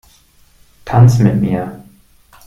Tanz mit mir!